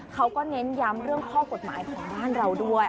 เขาก็เน้นย้ำเรื่องข้อกฎหมายของบ้านเราด้วย